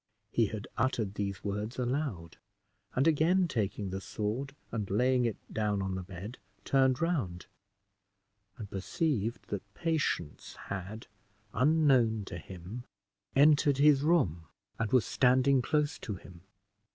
He had uttered these words aloud; and again taking the sword, and laying it down on the bed, turned round, and perceived that Patience had, unknown to him, entered the room, and was standing close to him.